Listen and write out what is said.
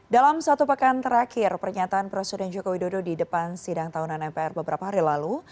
dalam satu pekan terakhir pernyataan presiden joko widodo di depan sidang tahunan mpr beberapa hari lalu